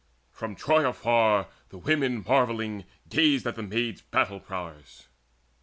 From Troy afar the women marvelling gazed At the Maid's battle prowess.